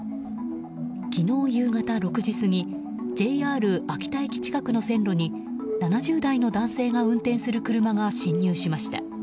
昨日夕方６時過ぎＪＲ秋田駅近くの線路に７０代の男性が運転する車が進入しました。